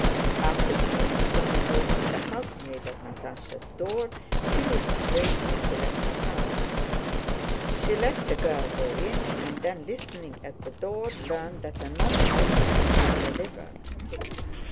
After tea Sónya noticed a housemaid at Natásha's door timidly waiting to let her pass. She let the girl go in, and then listening at the door learned that another letter had been delivered.